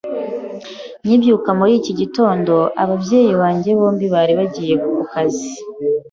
Nkibyuka muri iki gitondo, ababyeyi banjye bombi bari bagiye ku kazi.